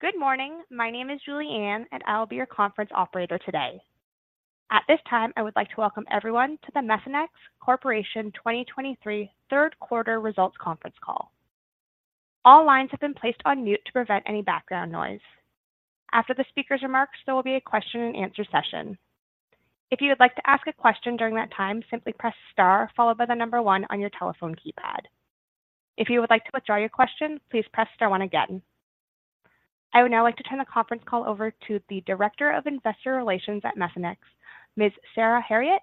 Good morning. My name is Julie Anne, and I will be your conference operator today. At this time, I would like to welcome everyone to the Methanex Corporation 2023 third quarter result conference call. All lines have been placed on mute to prevent any background noise. After the speaker's remarks, there will be a question and answer session. If you would like to ask a question during that time, simply press star followed by the number one on your telephone keypad. If you would like to withdraw your question, please press star one, again. I would now like to turn the conference call over to the Director of Investor Relations at Methanex, Ms. Sarah Herriott.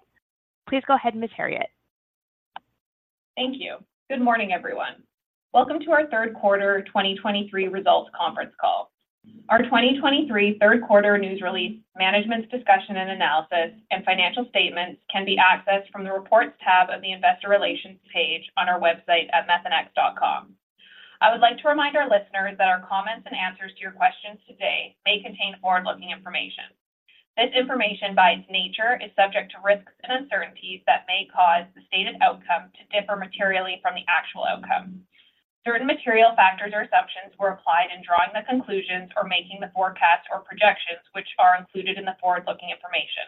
Please go ahead, Ms. Herriott. Thank you. Good morning, everyone. Welcome to our third quarter 2023 results conference call. Our 2023 third quarter news release, management's discussion and analysis, and financial statements can be accessed from the Reports tab of the Investor Relations page on our website at methanex.com. I would like to remind our listeners that our comments and answers to your questions today may contain forward-looking information. This information, by its nature, is subject to risks and uncertainties that may cause the stated outcome to differ materially from the actual outcome. Certain material factors or assumptions were applied in drawing the conclusions or making the forecasts or projections, which are included in the forward-looking information.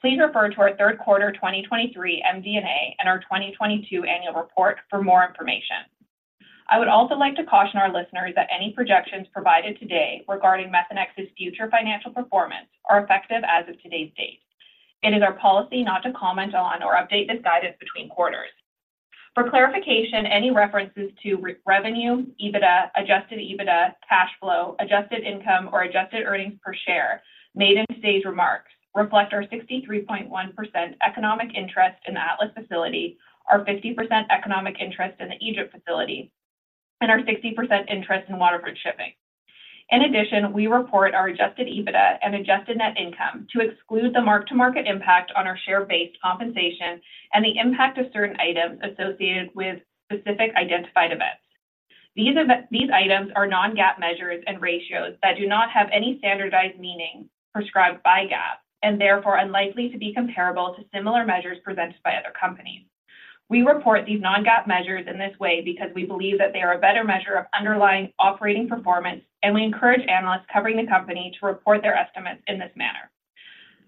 Please refer to our third quarter 2023 MD&A and our 2022 annual report for more information. I would also like to caution our listeners that any projections provided today regarding Methanex's future financial performance are effective as of today's date. It is our policy not to comment on or update this guidance between quarters. For clarification, any references to revenue, EBITDA, adjusted EBITDA, cash flow, adjusted income, or adjusted earnings per share made in today's remarks reflect our 63.1% economic interest in the Atlas facility, our 50% economic interest in the Egypt facility, and our 60% interest in Waterfront Shipping. In addition, we report our adjusted EBITDA and adjusted net income to exclude the mark-to-market impact on our share-based compensation and the impact of certain items associated with specific identified events. These items are non-GAAP measures and ratios that do not have any standardized meaning prescribed by GAAP, and therefore unlikely to be comparable to similar measures presented by other companies. We report these non-GAAP measures in this way because we believe that they are a better measure of underlying operating performance, and we encourage analysts covering the company to report their estimates in this manner.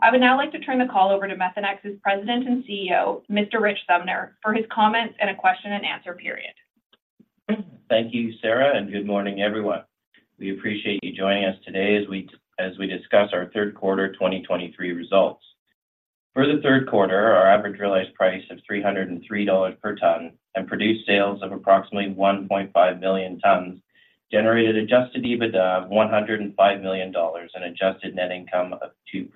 I would now like to turn the call over to Methanex's President and CEO, Mr. Rich Sumner, for his comments and a question and answer period. Thank you, Sarah, and good morning, everyone. We appreciate you joining us today as we, as we discuss our third quarter 2023 results. For the third quarter, our average realized price of $303 per ton and produced sales of approximately 1.5 million tons generated adjusted EBITDA of $105 million and adjusted net income of $0.02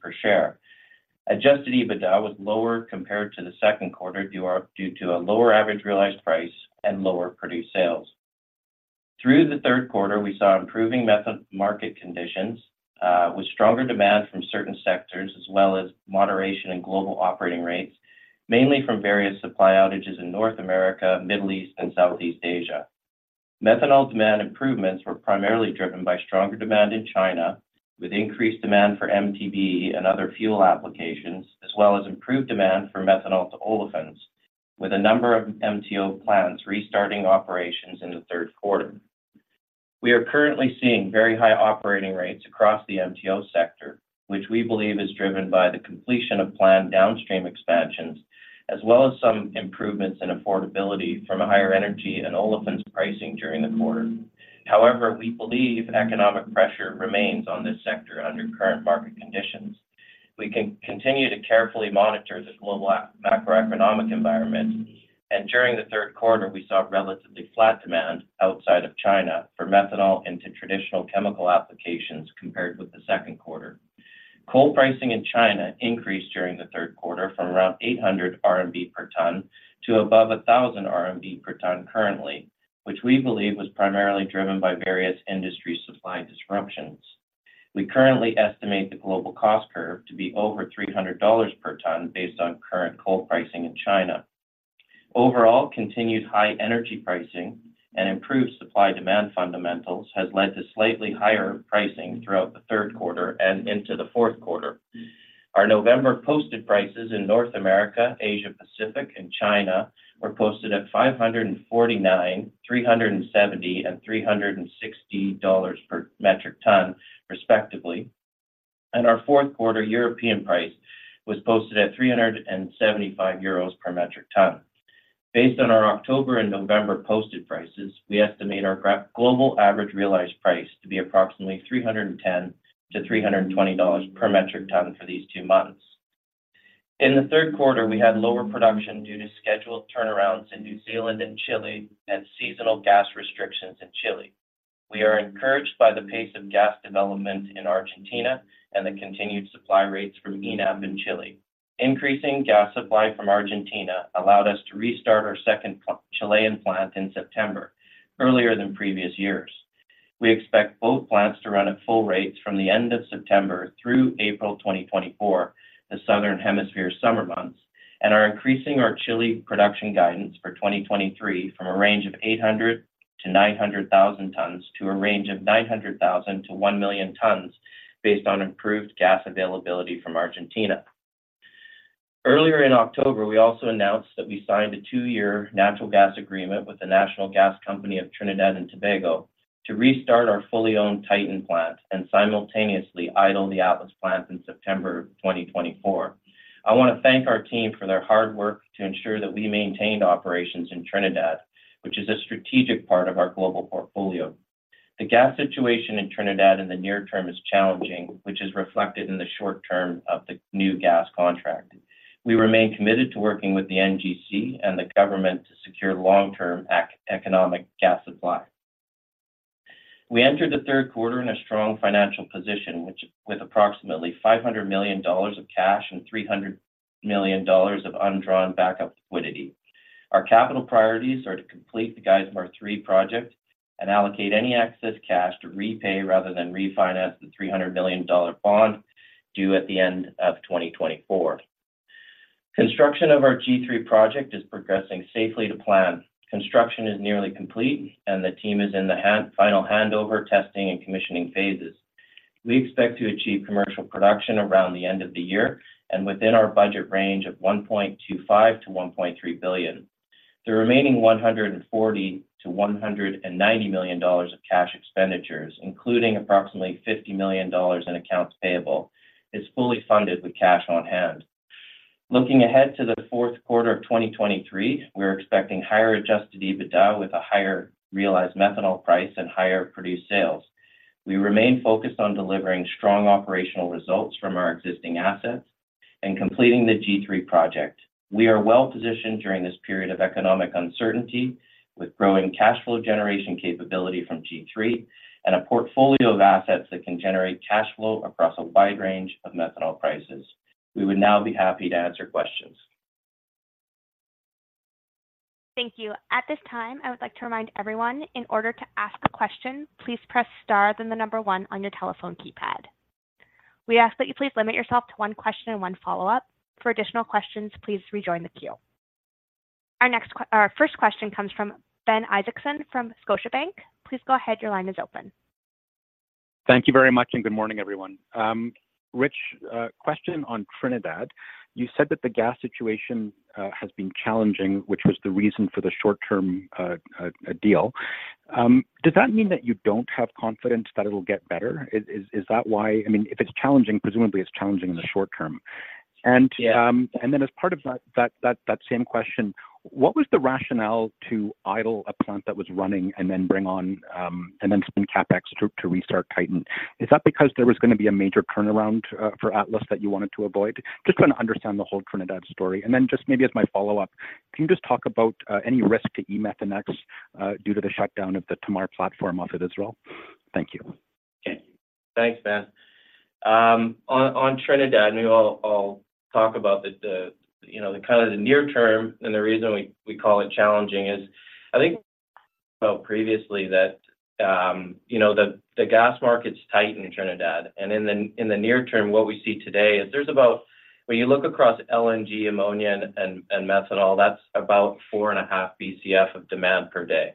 per share. Adjusted EBITDA was lower compared to the second quarter due to a lower average realized price and lower produced sales. Through the third quarter, we saw improving methanol market conditions, with stronger demand from certain sectors, as well as moderation in global operating rates, mainly from various supply outages in North America, Middle East, and Southeast Asia. Methanol demand improvements were primarily driven by stronger demand in China, with increased demand for MTBE and other fuel applications, as well as improved demand for methanol to olefins, with a number of MTO plants restarting operations in the third quarter. We are currently seeing very high operating rates across the MTO sector, which we believe is driven by the completion of planned downstream expansions, as well as some improvements in affordability from a higher energy and olefins pricing during the quarter. However, we believe economic pressure remains on this sector under current market conditions. We continue to carefully monitor the global macroeconomic environment, and during the third quarter, we saw relatively flat demand outside of China for methanol into traditional chemical applications compared with the second quarter. Coal pricing in China increased during the third quarter from around 800 RMB per ton to above 1,000 RMB per ton currently, which we believe was primarily driven by various industry supply disruptions. We currently estimate the global cost curve to be over $300 per ton based on current coal pricing in China. Overall, continued high energy pricing and improved supply-demand fundamentals has led to slightly higher pricing throughout the third quarter and into the fourth quarter. Our November posted prices in North America, Asia-Pacific, and China were posted at $549, $370, and $360 per metric ton, respectively, and our fourth quarter European price was posted at 375 euros per metric ton. Based on our October and November posted prices, we estimate our global average realized price to be approximately $310-$320 per metric ton for these two months. In the third quarter, we had lower production due to scheduled turnarounds in New Zealand and Chile, and seasonal gas restrictions in Chile. We are encouraged by the pace of gas development in Argentina and the continued supply rates from ENAP in Chile. Increasing gas supply from Argentina allowed us to restart our second Chilean plant in September, earlier than previous years. We expect both plants to run at full rates from the end of September through April 2024, the Southern Hemisphere summer months, and are increasing our Chile production guidance for 2023 from a range of 800,000-900,000 tons to a range of 900,000-1,000,000 tons based on improved gas availability from Argentina. Earlier in October, we also announced that we signed a two-year natural gas agreement with the National Gas Company of Trinidad and Tobago to restart our fully owned Titan plant and simultaneously idle the Atlas plant in September 2024. I want to thank our team for their hard work to ensure that we maintained operations in Trinidad, which is a strategic part of our global portfolio. The gas situation in Trinidad in the near term is challenging, which is reflected in the short term of the new gas contract. We remain committed to working with the NGC and the government to secure long-term economic gas supply. We entered the third quarter in a strong financial position, which, with approximately $500 million of cash and $300 million of undrawn backup liquidity. Our capital priorities are to complete the Geismar 3 project and allocate any excess cash to repay rather than refinance the $300 million bond due at the end of 2024. Construction of our G3 project is progressing safely to plan. Construction is nearly complete, and the team is in the final handover, testing, and commissioning phases. We expect to achieve commercial production around the end of the year and within our budget range of $1.25 billion-$1.3 billion. The remaining $140 million-$190 million of cash expenditures, including approximately $50 million in accounts payable, is fully funded with cash on hand. Looking ahead to the fourth quarter of 2023, we're expecting higher adjusted EBITDA, with a higher realized methanol price and higher produced sales. We remain focused on delivering strong operational results from our existing assets and completing the G3 project. We are well positioned during this period of economic uncertainty, with growing cash flow generation capability from G3 and a portfolio of assets that can generate cash flow across a wide range of methanol prices. We would now be happy to answer questions. Thank you. At this time, I would like to remind everyone, in order to ask a question, please press star, then the number one on your telephone keypad. We ask that you please limit yourself to one question and one follow-up. For additional questions, please rejoin the queue. Our first question comes from Ben Isaacson from Scotiabank. Please go ahead. Your line is open. Thank you very much, and good morning, everyone. Rich, question on Trinidad. You said that the gas situation has been challenging, which was the reason for the short-term deal. Does that mean that you don't have confidence that it'll get better? Is, is, is that why? I mean, if it's challenging, presumably it's challenging in the short term. Yeah. And then as part of that same question, what was the rationale to idle a plant that was running and then bring on and then spend CapEx to restart Titan? Is that because there was going to be a major turnaround for Atlas that you wanted to avoid? Just trying to understand the whole Trinidad story. Then just maybe as my follow-up, can you just talk about any risk to EMethanex due to the shutdown of the Tamar platform off of Israel? Thank you. Okay. Thanks, Ben. On Trinidad, and I'll talk about the near term, and the reason we call it challenging is, I think, well, previously that, you know, the gas market's tight in Trinidad, and in the near term, what we see today is there's about, when you look across LNG, ammonia, and methanol, that's about 4.5 BCF of demand per day.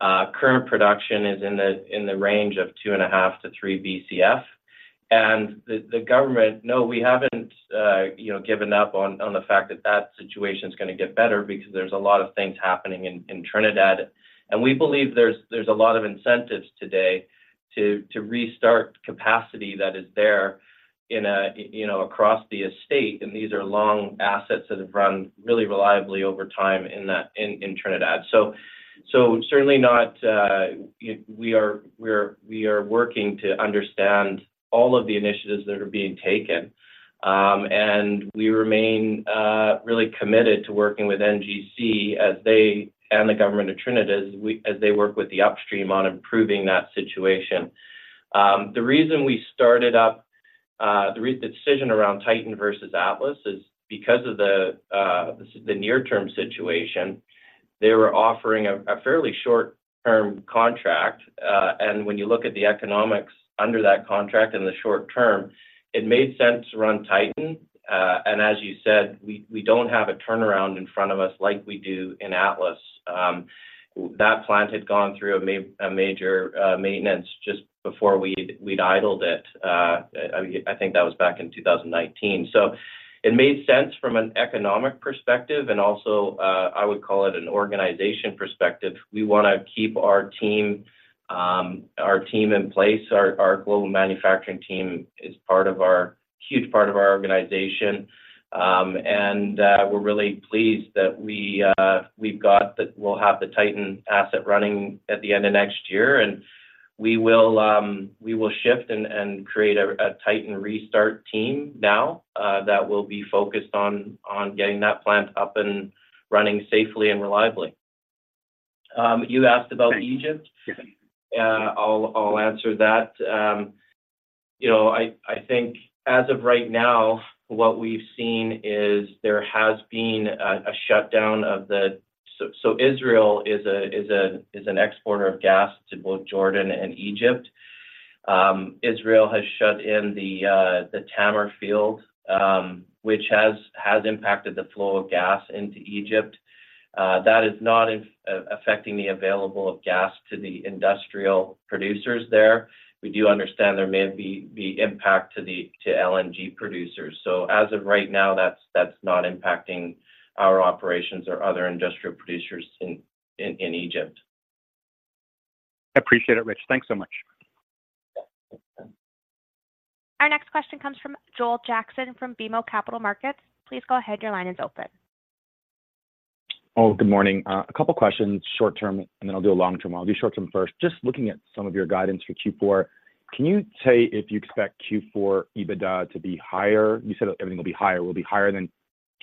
Current production is in the range of 2.5-3 BCF. And the government, no, we haven't, you know, given up on the fact that that situation is going to get better because there's a lot of things happening in Trinidad. We believe there's a lot of incentives today to restart capacity that is there in, you know, across the estate, and these are long assets that have run really reliably over time in Trinidad. Certainly not, we are working to understand all of the initiatives that are being taken, and we remain really committed to working with NGC as they and the government of Trinidad, as they work with the upstream on improving that situation. The reason we started up, the decision around Titan versus Atlas is because of the near-term situation. They were offering a fairly short-term contract, and when you look at the economics under that contract in the short term, it made sense to run Titan. And as you said, we don't have a turnaround in front of us like we do in Atlas. That plant had gone through a major maintenance just before we'd idled it. I think that was back in 2019. So it made sense from an economic perspective, and also I would call it an organization perspective. We wanna keep our team in place. Our global manufacturing team is a huge part of our organization, and we're really pleased that we'll have the Titan asset running at the end of next year, and we will shift and create a Titan restart team now that will be focused on getting that plant up and running safely and reliably. You asked about Egypt? Yeah. I'll answer that. You know, I think as of right now, what we've seen is there has been a shutdown of the, Israel, is an exporter of gas to both Jordan and Egypt. Israel, has shut in the Tamar field, which has impacted the flow of gas into Egypt. That is not affecting the available gas to the industrial producers there. We do understand there may be the impact to the LNG producers. As of right now, that's not impacting our operations or other industrial producers in Egypt. I appreciate it, Rich. Thanks so much. Our next question comes from Joel Jackson from BMO Capital Markets. Please go ahead. Your line is open. Oh, good morning. A couple questions, short term, and then I'll do a long term. I'll do short term first. Just looking at some of your guidance for Q4, can you say if you expect Q4 EBITDA to be higher? You said everything will be higher, will be higher than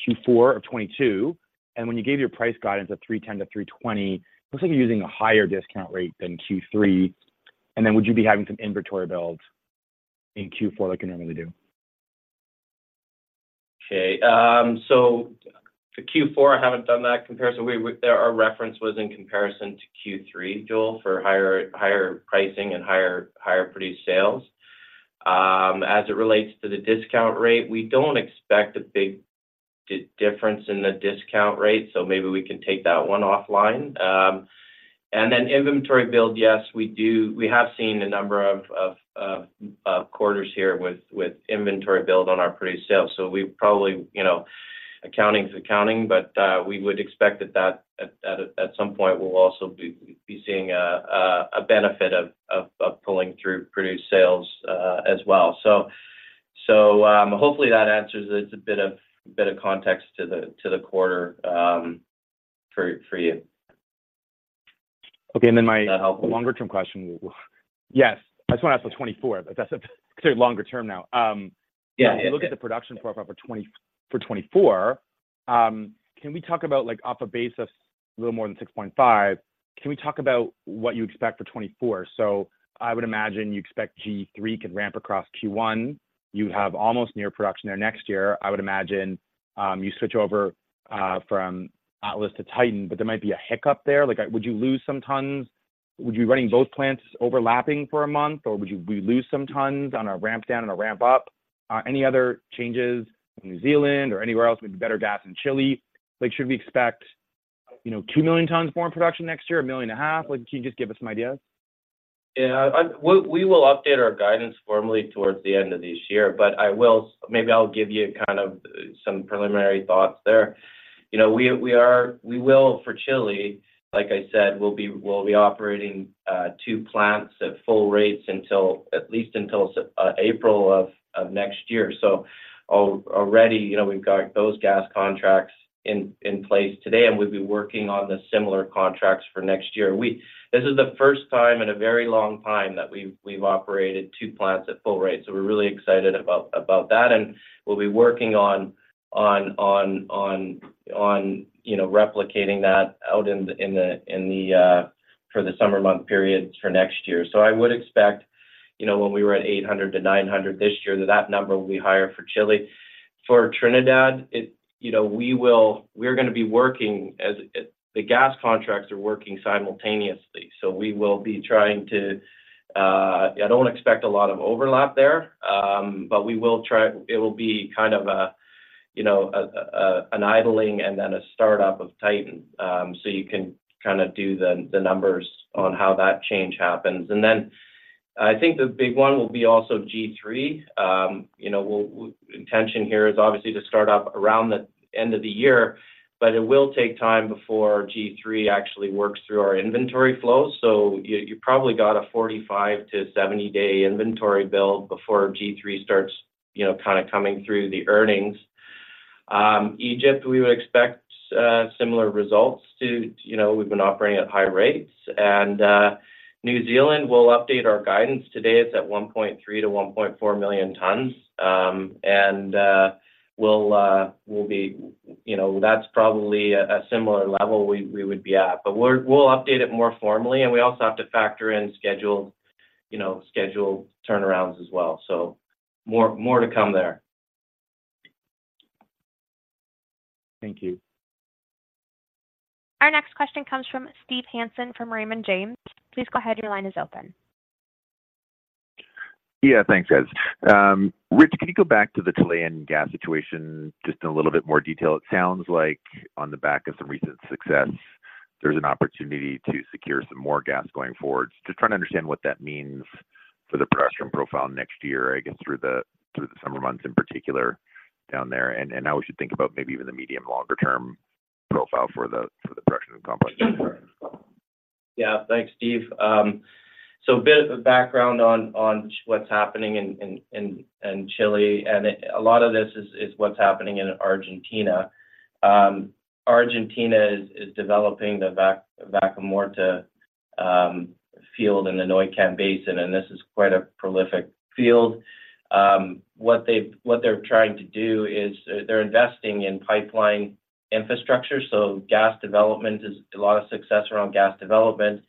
Q4 of 2022, and when you gave your price guidance of $310-$320, looks like you're using a higher discount rate than Q3. And then would you be having some inventory builds in Q4 like you normally do? Okay. So for Q4, I haven't done that comparison. We, there our reference was in comparison to Q3, Joel, for higher pricing and higher produced sales. As it relates to the discount rate, we don't expect a big difference in the discount rate, so maybe we can take that one offline. And then inventory build, yes, we do. We have seen a number of quarters here with inventory build on our produced sales. So we probably, you know, accounting is accounting, but we would expect that at some point we'll also be seeing a benefit of pulling through produced sales as well. So hopefully, that answers. It's a bit of context to the quarter for you. Okay. And then my longer-term question. Yes, I just want to ask for 2024, but that's a longer term now. Yeah. Look at the production profile for 2024. Can we talk about, like, off a base of a little more than 6.5, can we talk about what you expect for 2024? I would imagine you expect G3 could ramp across Q1. You have almost near production there next year. I would imagine you switch over from Atlas to Titan, but there might be a hiccup there. Like, would you lose some tons? Would you be running both plants overlapping for a month, or would we lose some tons on a ramp down, on a ramp up? Any other changes in New Zealand or anywhere else, maybe better gas in Chile? Like, should we expect, you know, 2 million tons more in production next year, 1.5 million tons? Like, can you just give us some idea? Yeah, we will update our guidance formally towards the end of this year, but I will, maybe I'll give you kind of some preliminary thoughts there. You know, we will for Chile, like I said, we'll be operating two plants at full rates until at least April of next year. So already, you know, we've got those gas contracts in place today, and we'll be working on the similar contracts for next year. This is the first time in a very long time that we've operated two plants at full rate, so we're really excited about that, and we'll be working on replicating that out in the for the summer month periods for next year. I would expect, you know, when we were at 800-900 this year, that number will be higher for Chile. For Trinidad, it, you know, we will, we're gonna be working as the gas contracts are working simultaneously, so we will be trying to, you know, I don't expect a lot of overlap there, you know, but we will try, it will be kind of a, you know, a, an idling and then a start-up of Titan. You can kinda do the numbers on how that change happens. I think the big one will be also G3. You know, the intention here is obviously to start up around the end of the year, but it will take time before G3 actually works through our inventory flow. You probably got a 45-70 day inventory build before G3 starts, you know, kind of coming through the earnings. Egypt, we would expect similar results to, you know, we've been operating at high rates. New Zealand will update our guidance. Today, it's at 1.3-1.4 million tons. We'll be, you know, that's probably a similar level we would be at, but we'll update it more formally, and we also have to factor in schedule, you know, schedule turnarounds as well. More to come there. Thank you. Our next question comes from Steve Hansen from Raymond James. Please go ahead. Your line is open. Yeah, thanks, guys. Rich, can you go back to the Chilean gas situation just in a little bit more detail? It sounds like on the back of some recent success, there's an opportunity to secure some more gas going forward. Just trying to understand what that means for the production profile next year, I guess, through the summer months, in particular, down there, and how we should think about maybe even the medium, longer term profile for the production complex. Yeah. Thanks, Steve. So a bit of background on what's happening in Chile, and a lot of this is what's happening in Argentina. Argentina is developing the Vaca Muerta field in the Neuquén Basin, and this is quite a prolific field. What they're trying to do is they're investing in pipeline infrastructure, so gas development is a lot of success around gas development,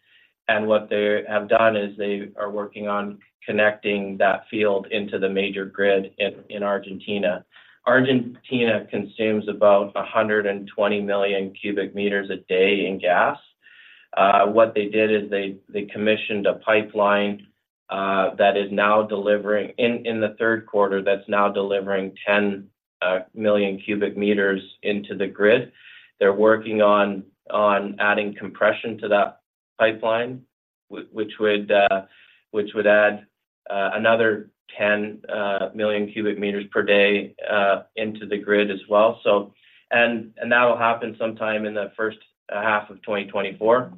and what they have done is they are working on connecting that field into the major grid in Argentina. Argentina consumes about 120 million cubic meters a day in gas. What they did is they commissioned a pipeline that is now delivering in the third quarter, that's now delivering 10 million cubic meters into the grid. They're working on adding compression to that pipeline, which would add another 10 million cu m per day into the grid as well. That will happen sometime in the first half of 2024.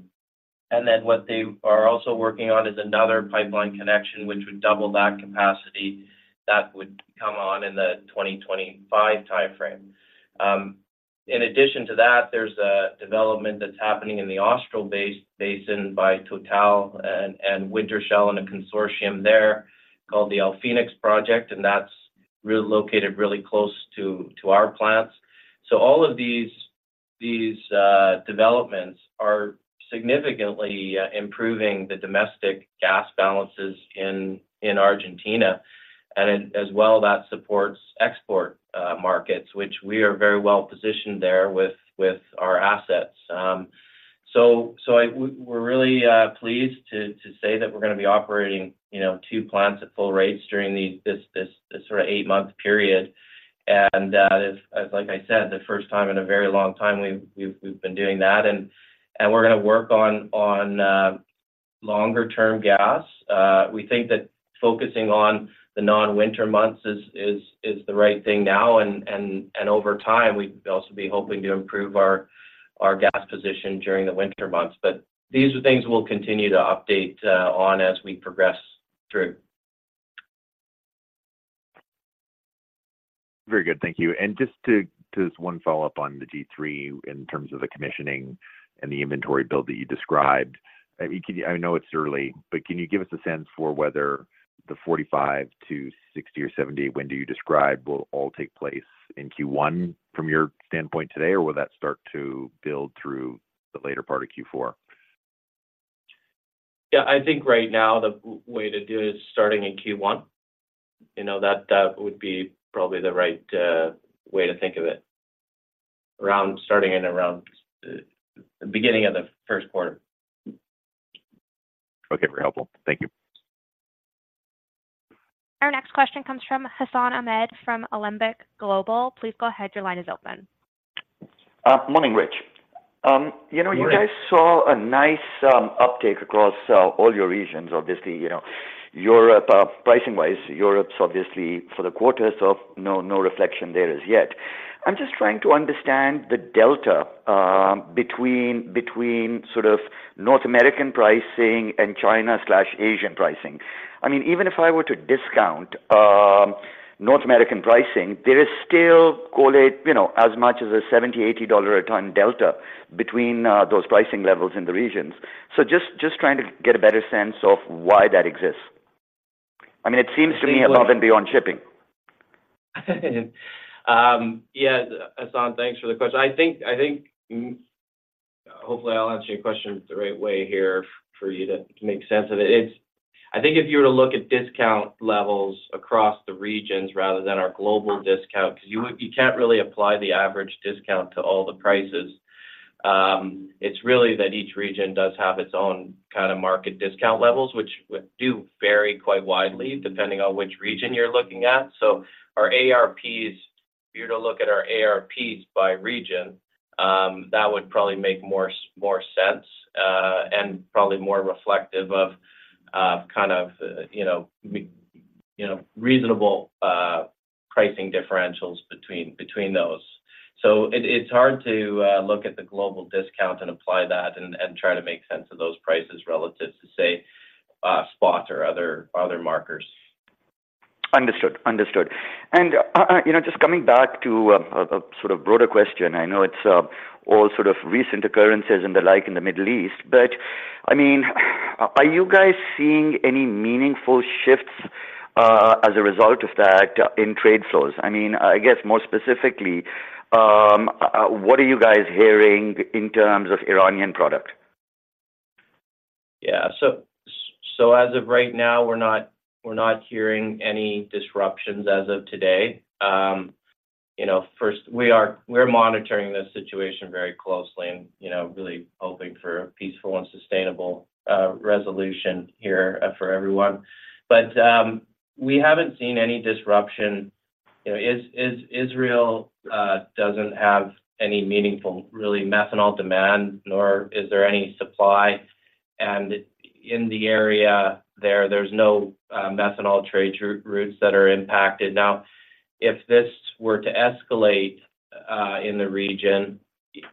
What they are also working on is another pipeline connection, which would double that capacity that would come on in the 2025 timeframe. In addition to that, there's a development that's happening in the Austral Basin by Total and Wintershall, and a consortium there called the Fenix Project, and that's located really close to our plants. All of these developments are significantly improving the domestic gas balances in Argentina, and as well, that supports export markets, which we are very well positioned there with our assets. We're really pleased to say that we're gonna be operating, you know, two plants at full rates during this sort of eight-month period. And as I said, like, the first time in a very long time, we've been doing that, and we're gonna work on longer-term gas. We think that focusing on the non-winter months is the right thing now, and over time, we'd also be hoping to improve our gas position during the winter months. But these are things we'll continue to update on as we progress through. Very good. Thank you. And just to, just one follow-up on the G3 in terms of the commissioning and the inventory build that you described. I mean, can you, I know it's early, but can you give us a sense for whether the 45-60 or 70 window you described will all take place in Q1 from your standpoint today, or will that start to build through the later part of Q4? Yeah, I think right now the way to do it is starting in Q1. You know, that would be probably the right way to think of it. Starting in around, you know, beginning of the first quarter. Okay. Very helpful. Thank you. Our next question comes from Hassan Ahmed from Alembic Global. Please go ahead. Your line is open. Morning, Rich. You know. Morning. You guys saw a nice uptake across all your regions. Obviously, you know, Europe, pricing wise, Europe's obviously for the quarter, so no reflection there as yet. I'm just trying to understand the delta between sort of North American pricing and China/Asian pricing. I mean, even if I were to discount North American pricing, there is still, call it, you know, as much as a $70-$80 a ton delta between those pricing levels in the regions. So just trying to get a better sense of why that exists. I mean, it seems to me above and beyond shipping. Yeah, Hassan, thanks for the question. I think, I think, hopefully, I'll answer your question the right way here for you to make sense of it. It's, I think if you were to look at discount levels across the regions rather than our global discount, because you, you can't really apply the average discount to all the prices. It's really that each region does have its own kind of market discount levels, which do vary quite widely depending on which region you're looking at. So our ARPs, if you were to look at our ARPs by region, that would probably make more sense, and probably more reflective of, kind of, you know, we, you know, reasonable, pricing differentials between, between those. It's hard to look at the global discount and apply that and try to make sense of those prices relative to, say, spot or other markers. Understood. Understood. And, you know, just coming back to, sort of broader question, I know it's, all sort of recent occurrences and the like in the Middle East, but I mean, are you guys seeing any meaningful shifts, as a result of that in trade flows? I mean, I guess more specifically, what are you guys hearing in terms of Iranian product? Yeah. So as of right now, we're not, we're not hearing any disruptions as of today. You know, first, we are, we're monitoring the situation very closely and, you know, really hoping for a peaceful and sustainable resolution here for everyone. We haven't seen any disruption. You know, Israel doesn't have any meaningful, really, methanol demand, nor is there any supply. In the area there, there's no methanol trade routes that are impacted. Now, if this were to escalate in the region,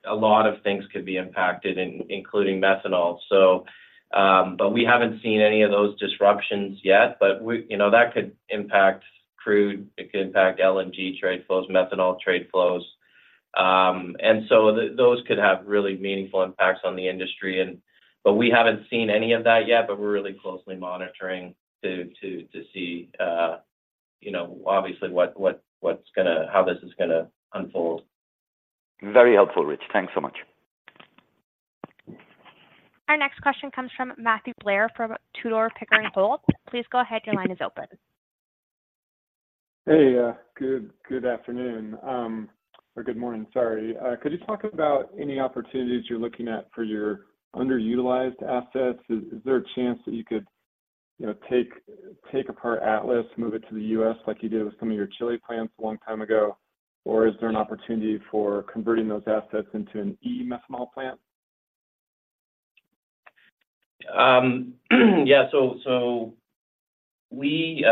a lot of things could be impacted, including methanol. We haven't seen any of those disruptions yet. You know, that could impact crude, it could impact LNG trade flows, methanol trade flows. Those could have really meaningful impacts on the industry, and we haven't seen any of that yet, but we're really closely monitoring to see, you know, obviously, what's gonna, how this is gonna unfold. Very helpful, Rich. Thanks so much. Our next question comes from Matthew Blair from Tudor, Pickering, Holt. Please go ahead. Your line is open. Hey, good, good afternoon. Or good morning sorry. Could you talk about any opportunities you're looking at for your underutilized assets? Is there a chance that you could, you know, take apart Atlas, move it to the U.S. like you did with some of your Chile plants a long time ago? Or is there an opportunity for converting those assets into an E-methanol plant? Yeah. So, we,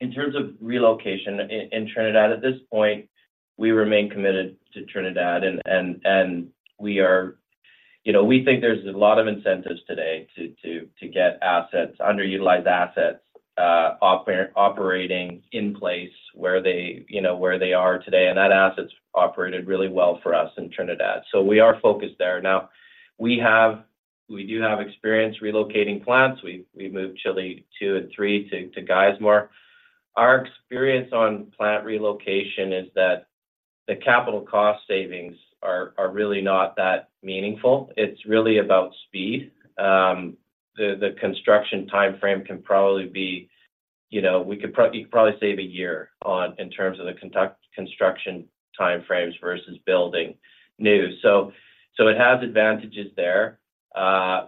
in terms of relocation in Trinidad, at this point, we remain committed to Trinidad, and we are, you know, we think there's a lot of incentives today to get assets, underutilized assets, operating in place where they, you know, where they are today. And that asset's operated really well for us in Trinidad, so we are focused there. Now, we have, we do have experience relocating plants. We moved Chile two and three to Geismar. Our experience on plant relocation is that the capital cost savings are really not that meaningful. It's really about speed. The construction timeframe can probably be, you know, we could, we could probably save a year on, in terms of the construction timeframes versus building new. So, it has advantages there.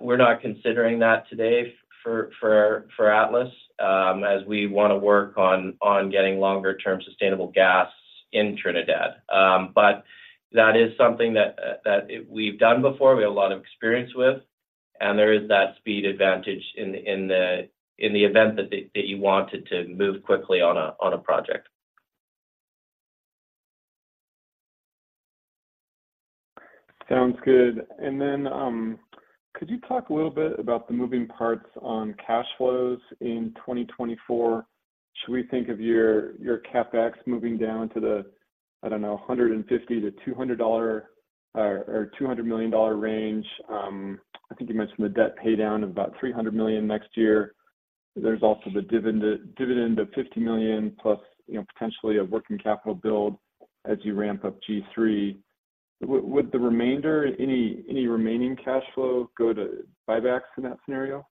We're not considering that today for Atlas, as we wanna work on getting longer-term sustainable gas in Trinidad. But that is something that we've done before, we have a lot of experience with, and there is that speed advantage in the event that you wanted to move quickly on a project. Sounds good. Could you talk a little bit about the moving parts on cash flows in 2024? Should we think of your CapEx moving down to the, I don't know, $150 million-$200 million range? I think you mentioned the debt paydown of about $300 million next year. There's also the dividend of $50 million, plus, you know, potentially a working capital build as you ramp up G3. Would the remainder, any remaining cash flow go to buybacks in that scenario?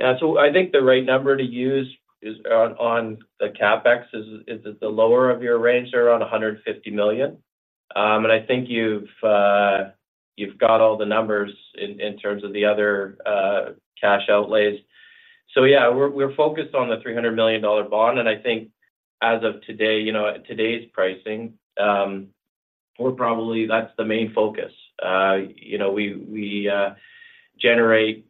Yeah. So I think the right number to use is on the CapEx is the lower of your range there, around $150 million. And I think you've got all the numbers in terms of the other cash outlays. So yeah, we're focused on the $300 million bond, and I think as of today, you know, at today's pricing, we're probably, that's the main focus. You know, we generate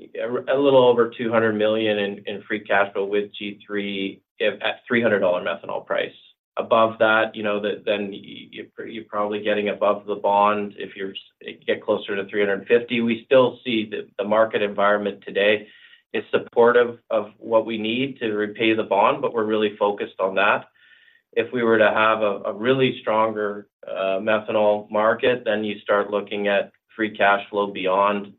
a little over $200 million in free cash flow with G3 if at $300 methanol price. Above that, you know, then you you're probably getting above the bond if you get closer to 350. We still see the market environment today is supportive of what we need to repay the bond, but we're really focused on that. If we were to have a really stronger methanol market, then you start looking at free cash flow beyond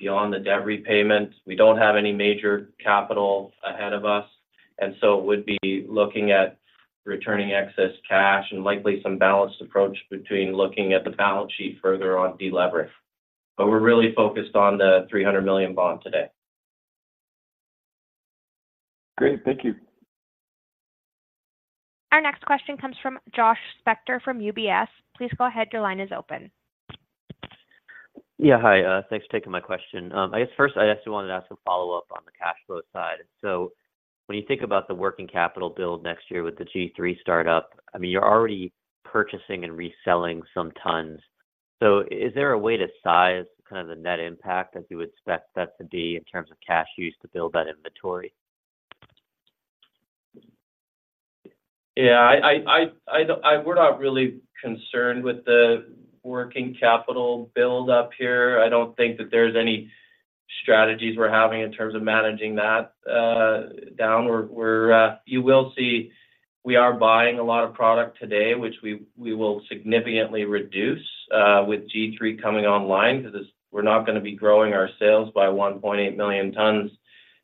the debt repayment. We don't have any major capital ahead of us, and so it would be looking at returning excess cash and likely some balanced approach between looking at the balance sheet further on deleveraging. But we're really focused on the $300 million bond today. Great, thank you. Our next question comes from Josh Spector from UBS. Please go ahead. Your line is open. Yeah, hi. Thanks for taking my question. I guess first, I actually wanted to ask a follow-up on the cash flow side. So when you think about the working capital build next year with the G3 startup, I mean, you're already purchasing and reselling some tons. So is there a way to size kind of the net impact as you expect that to be in terms of cash use to build that inventory? Yeah, we're not really concerned with the working capital build up here. I don't think that there's any strategies we're having in terms of managing that down. We're, you will see, we are buying a lot of product today, which we will significantly reduce with G3 coming online, because we're not gonna be growing our sales by 1.8 million tons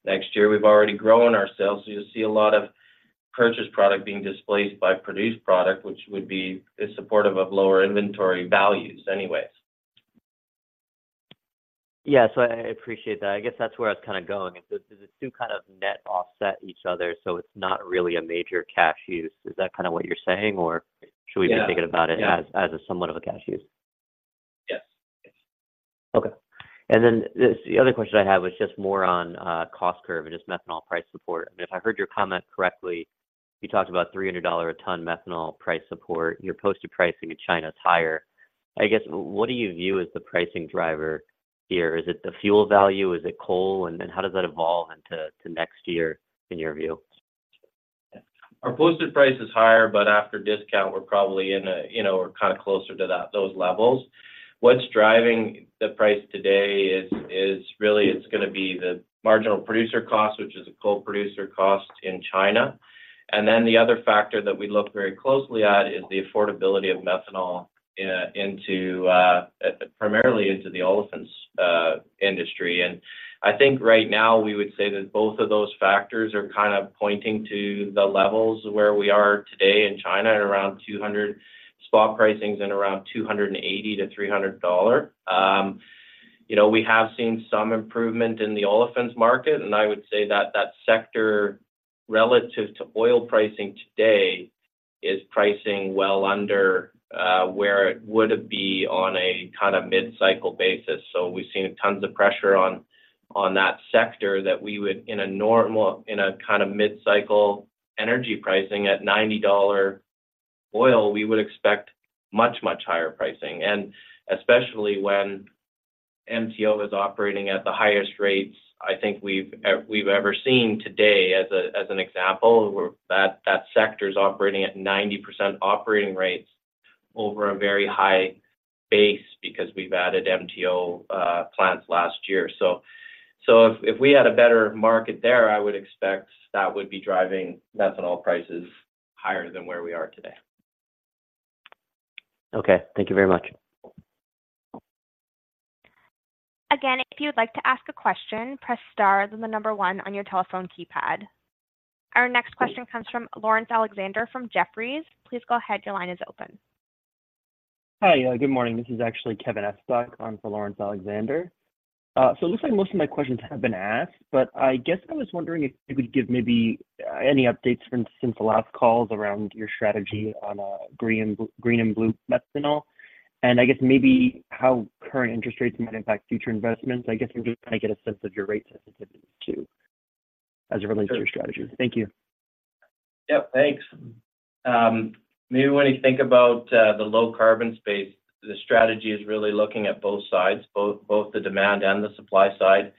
next year. We've already grown our sales, so you'll see a lot of purchased product being displaced by produced product, which would be, is supportive of lower inventory values anyways. Yeah. So I appreciate that. I guess that's where I was kind of going. So the two kind of net offset each other, so it's not really a major cash use. Is that kind of what you're saying, or should we. Yeah Be thinking about it as, as a somewhat of a cash use? Yes. Okay. And then the other question I had was just more on cost curve and just methanol price support. If I heard your comment correctly, you talked about $300 a ton methanol price support. Your posted pricing in China is higher. I guess, what do you view as the pricing driver here? Is it the fuel value? Is it coal? And then how does that evolve into next year, in your view? Our posted price is higher, but after discount, we're probably in a, you know, we're kind of closer to that, those levels. What's driving the price today is really, it's gonna be the marginal producer cost, which is a coal producer cost in China. And then the other factor that we look very closely at is the affordability of methanol into primarily into the olefins industry. And I think right now, we would say that both of those factors are kind of pointing to the levels where we are today in China, at around $200 spot pricings and around $280-$300. You know, we have seen some improvement in the olefins market, and I would say that that sector, relative to oil pricing today, is pricing well under where it would be on a kind of mid-cycle basis. So we've seen tons of pressure on that sector that we would in a kind of mid-cycle energy pricing at $90 oil, we would expect much, much higher pricing. And especially when MTO is operating at the highest rates I think we've ever seen today, as an example, where that sector is operating at 90% operating rates over a very high base because we've added MTO plants last year. So if we had a better market there, I would expect that would be driving methanol prices higher than where we are today. Okay. Thank you very much. Again, if you would like to ask a question, press star, then the number one on your telephone keypad. Our next question comes from Laurence Alexander from Jefferies. Please go ahead. Your line is open. Hi, good morning. This is actually Kevin Estok on for Laurence Alexander. So it looks like most of my questions have been asked, but I guess I was wondering if you could give maybe any updates from since the last calls around your strategy on green, green and blue methanol, and I guess maybe how current interest rates might impact future investments. I guess I'm just trying to get a sense of your rate sensitivity, too, as it relates to your strategy. Thank you. Yep, thanks. Maybe when you think about the low carbon space, the strategy is really looking at both sides, both the demand and the supply side.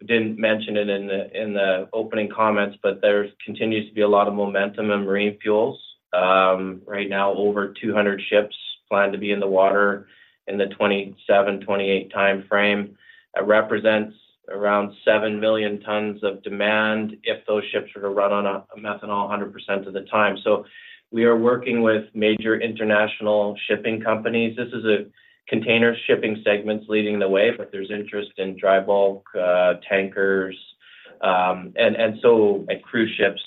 Didn't mention it in the opening comments, but there continues to be a lot of momentum in marine fuels. Right now, over 200 ships plan to be in the water in the 2027-2028 timeframe. That represents around 7 million tons of demand if those ships were to run on methanol 100% of the time. So we are working with major international shipping companies. This is a container shipping segment's leading the way, but there's interest in dry bulk, tankers, and so, and cruise ships.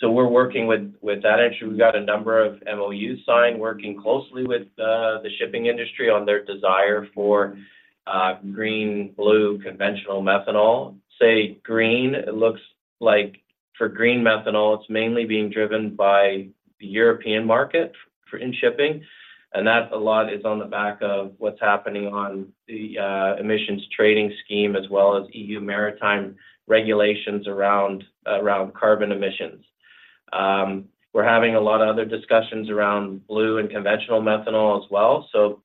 So we're working with that. Actually, we've got a number of MoUs signed, working closely with the shipping industry on their desire for green, blue, conventional methanol. Say, green, it looks like for green methanol, it's mainly being driven by the European market for in shipping, and that a lot is on the back of what's happening on the emissions trading scheme as well as E.U. maritime regulations around carbon emissions. We're having a lot of other discussions around blue and conventional methanol as well, so,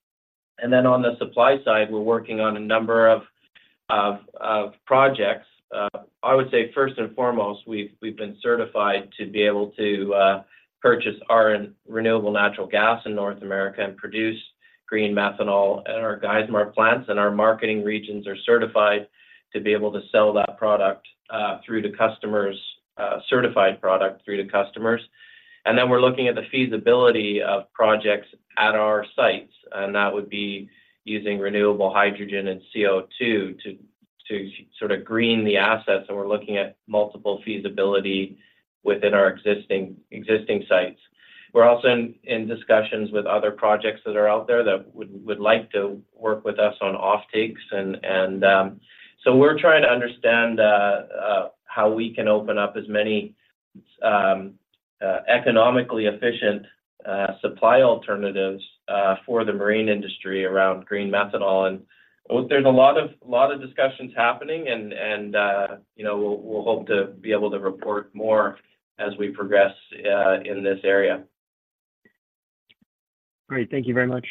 and then on the supply side, we're working on a number of projects. I would say, first and foremost, we've been certified to be able to purchase our renewable natural gas in North America and produce green methanol at our Geismar plants. Our marketing regions are certified to be able to sell that product through to customers, certified product through to customers. We're looking at the feasibility of projects at our sites, and that would be using renewable hydrogen and CO2 to sort of green the assets, and we're looking at multiple feasibility within our existing sites. We're also in discussions with other projects that are out there that would like to work with us on offtakes, and, you know, we're trying to understand how we can open up as many economically efficient supply alternatives for the marine industry around green methanol. There's a lot of discussions happening, and, you know, we'll hope to be able to report more as we progress in this area. Great. Thank you very much.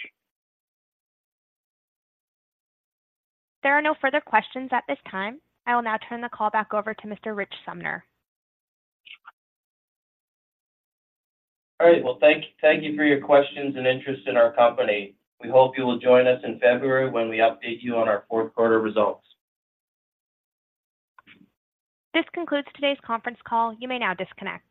There are no further questions at this time. I will now turn the call back over to Mr. Rich Sumner. All right. Well, thank you for your questions and interest in our company. We hope you will join us in February when we update you on our fourth quarter results. This concludes today's conference call. You may now disconnect.